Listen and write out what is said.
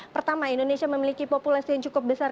pertama indonesia memiliki populasi yang cukup besar